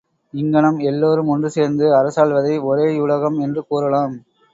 இங்ஙனம் எல்லாரும் ஒன்று சேர்ந்து அரசாள்வதை ஒரே யுலகம் என்று கூறலாம்.